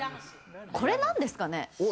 これなんですかね？